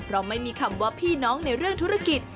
ไม่มีคำว่าพี่น้องในเรื่องธุรกิจ